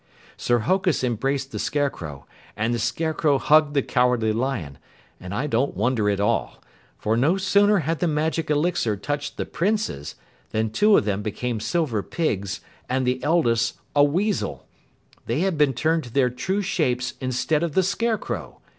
Sir Hokus embraced the Scarecrow, and the Scarecrow hugged the Cowardly Lion, and I don't wonder at all. For no sooner had the magic elixir touched the Princes, than two of them became silver pigs and the eldest a weasel. They had been turned to their true shapes instead of the Scarecrow.